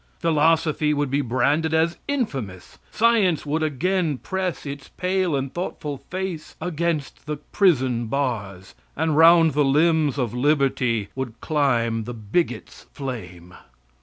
Philosophy would be branded as infamous; science would again press its pale and thoughtful face against the prison bars; and round the limbs of liberty would climb the bigot's flame.